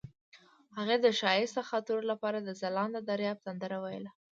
هغې د ښایسته خاطرو لپاره د ځلانده دریاب سندره ویله.